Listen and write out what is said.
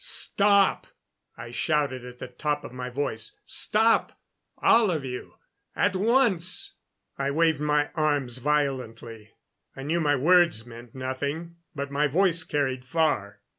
"Stop!" I shouted at the top of my voice. "Stop all of you! At once!" I waved my arms violently: I knew my words meant nothing, but my voice carried far.